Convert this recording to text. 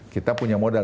kita punya modal